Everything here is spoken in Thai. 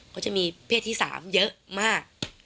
เขาจะมีเพศที่๓เยอะมาก